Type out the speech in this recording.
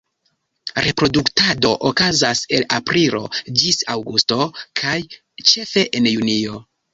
Reproduktado okazas el aprilo ĝis aŭgusto, kaj ĉefe en junio.